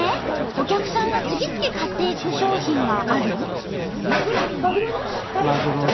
お客さんが次々買っていく商品がある？